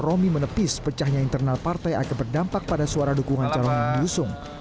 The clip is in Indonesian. romi menepis pecahnya internal partai akan berdampak pada suara dukungan calon yang diusung